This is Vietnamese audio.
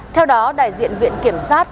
theo đó đại diện viện kiểm sát